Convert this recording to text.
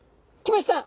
きました。